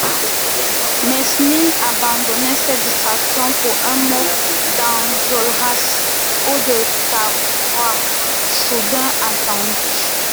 Mesnil abandonnait cette distraction pour un mot d'Enjolras ou de Cavrois soudain entendu.